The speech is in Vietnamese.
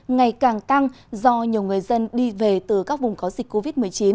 ngày càng tăng do nhiều người dân đi về từ các vùng có dịch covid một mươi chín